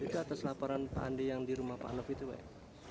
itu atas laporan pak andi yang di rumah pak arief itu ya pak ya